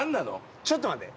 ちょっと待って。